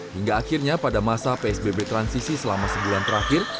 hingga akhirnya pada masa psbb transisi selama sebulan terakhir